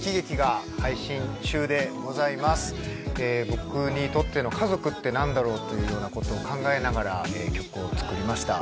僕にとっての家族ってなんだろうというような事を考えながら曲を作りました。